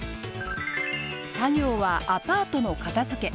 作業はアパートの片づけ。